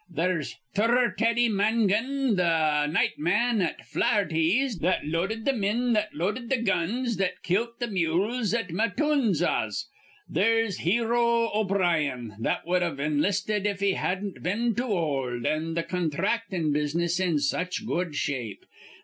There's Turror Teddy Mangan, th' night man at Flaher ty's, that loaded th' men that loaded th' guns that kilt th' mules at Matoonzas. There's Hero O'Brien, that wud've inlisted if he hadn't been too old, an' th' contractin' business in such good shape.